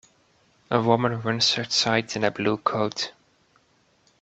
A woman runs outside in a blue coat.